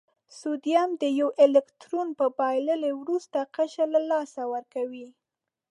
سوډیم د یو الکترون په بایللو وروستی قشر له لاسه ورکوي.